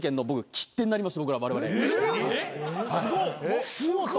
切手になりました。